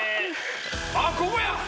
あっここや！